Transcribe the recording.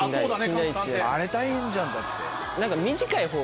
あれ大変じゃんだって。